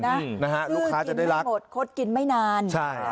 ซื้อกินไม่หมดคดกินไม่นาน